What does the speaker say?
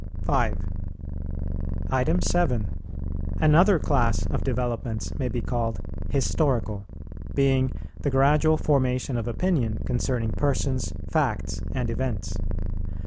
5. 7. Another class of developments may be called historical; being the gradual formation of opinion concerning persons, facts, and events.